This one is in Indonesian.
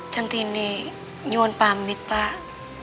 cintinik nyuan pamit pak